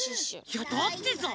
いやだってさ。